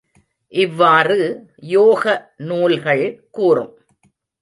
இவ்வாறு யோக நூல்கள் கூறும்.